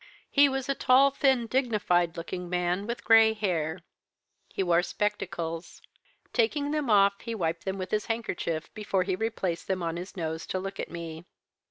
He was a tall, thin, dignified looking man, with grey hair. He wore spectacles. Taking them off, he wiped them with his handkerchief before he replaced them on his nose to look at me.